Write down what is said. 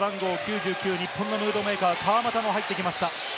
日本のムードメーカー・川真田も入ってきました。